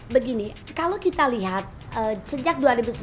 begini kalau kita lihat sejak dua ribu sebelas